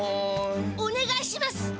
おねがいします！